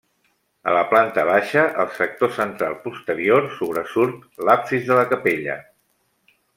A la planta baixa, al sector central posterior sobresurt l'absis de la capella.